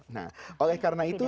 nah oleh karena itu